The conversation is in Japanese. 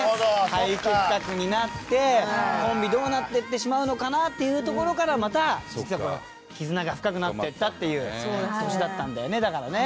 肺結核になってコンビどうなっていってしまうのかなというところからまた実はこれ絆が深くなっていったという年だったんだよねだからね。